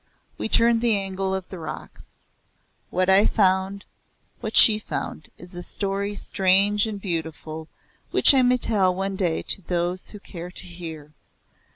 We turned the angle of the rocks. What I found what she found is a story strange and beautiful which I may tell one day to those who care to hear.